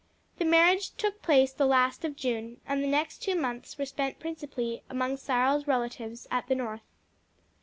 The marriage took place the last of June, and the next two months were spent principally among Cyril's relatives at the North.